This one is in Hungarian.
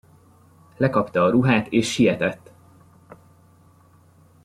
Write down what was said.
Lekapta a ruhát, és sietett!